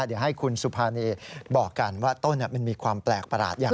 เดี๋ยวให้คุณสุภานีบอกกันว่าต้นมันมีความแปลกประหลาดอย่างไร